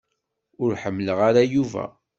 Ur ḥemmleɣ ara Yuba.